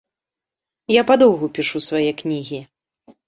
Я падоўгу пішу свае кнігі.